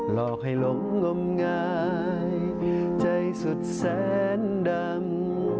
หลอกให้หลงงมงายใจสุดแสนดำ